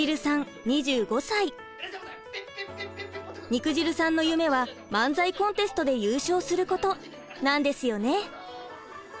肉汁さんの夢は漫才コンテストで優勝することなんですよね。